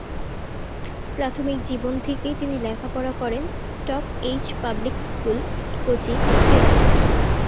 প্রাথমিক জীবন থেকে তিনি লেখাপড়া করেন "টপ-এইচ পাবলিক স্কুল", কোচি, কেরালা।